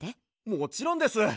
もちろんです！